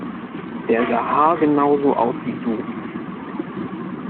Der sah haargenau so aus wie du!